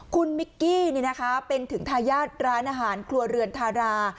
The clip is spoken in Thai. คุณมิกกี้เป็นถึงทายาทร้านอาหารครัวเรือนทารา